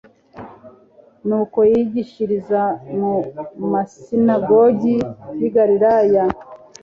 nuko yigishiriza mu masinagogi y i galilaya